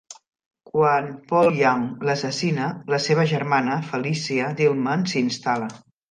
Quan Paul Young l'assassina, la seva germana, Felicia Tilman, s'hi instal·la.